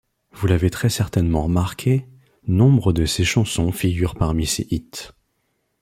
Vous l'avez très certainement remarqué, nombre de ces chansons figurent parmi ses hits.